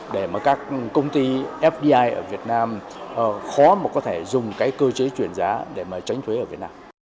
để các công ty fdi ở việt nam khó mà có thể dùng cơ chế chuyển giá để tránh thuế ở việt nam